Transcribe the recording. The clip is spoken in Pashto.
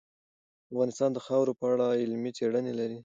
افغانستان د خاوره په اړه علمي څېړنې لري.